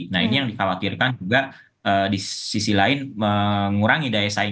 nah ini yang dikhawatirkan juga di sisi lain mengurangi daya saing